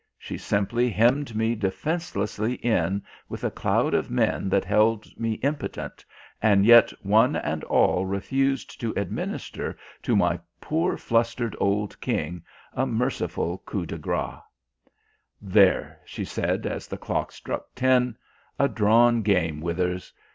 She simply hemmed me defencelessly in with a cloud of men that held me impotent, and yet one and all refused to administer to my poor flustered old king a merciful coup de grâce. "There," she said, as the clock struck ten "a drawn game, Withers.